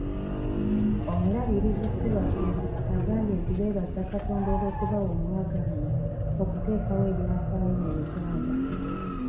Omulabirizi Ssebaggala agambye nti beebaza Katonda olw'okubawa omwaganya okuteekawo ebyafaayo mu Uganda.